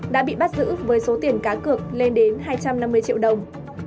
đã bị bắt giữ với số tiền cá cược lên đến hai trăm năm mươi triệu đồng